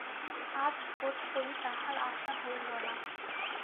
আজ বােধ করি, তাঁহার আসা হইল না।